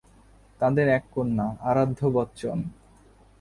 তাদের এক কন্যা, আরাধ্য বচ্চন।